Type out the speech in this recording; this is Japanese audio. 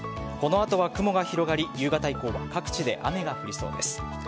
この後は雲が広がり夕方以降は各地で雨が降りそうです。